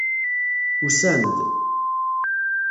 Usan-d.